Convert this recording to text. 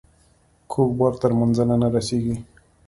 کوږ بار تر منزله نه رسیږي.